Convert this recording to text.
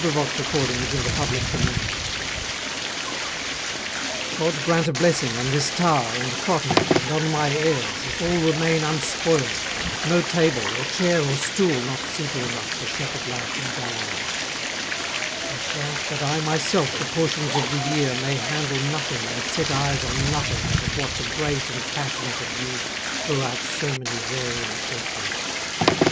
A PRAYER ON GOING INTO MY HOUSE God grant a blessing on this tower and cottage And on my heirs, if all remain unspoiled, No table, or chair or stool not simple enough For shepherd lads in Galilee; and grant That I myself for portions of the year May handle nothing and set eyes on nothing But what the great and passionate have used Throughout so many varying centuries.